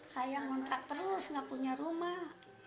saya ngontrak terus nggak punya rumah